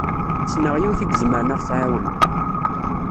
Ssneɣ yiwet i izemren ad ɣ-tɛawen.